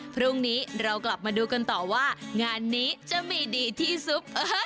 พรุ่งนี้เรากลับมาดูกันต่อว่างานนี้จะมีดีที่สุด